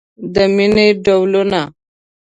د مینې ډولونه